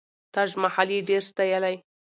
تاج محل یې ډېر ستایلی.